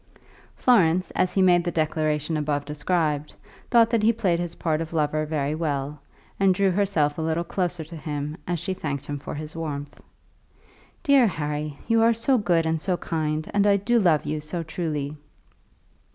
Florence, as he made the declaration above described, thought that he played his part of lover very well, and drew herself a little closer to him as she thanked him for his warmth. "Dear Harry, you are so good and so kind, and I do love you so truly!"